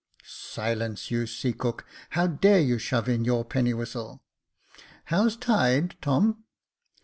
" Silence, you sea cook ! how dare you shove in your penny whistle ? How's tide, Tom